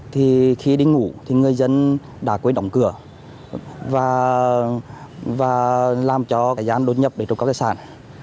thì khi đi ngủ thì người dân đã quên đóng cửa và làm cho kẻ gian đột nhập để trộm các tài sản